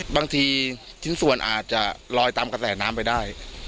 บางทีชิ้นส่วนอาจจะลอยตามกระแสน้ำไปได้